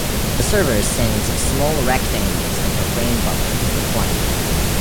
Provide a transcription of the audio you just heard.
The server sends small rectangles of the framebuffer to the client.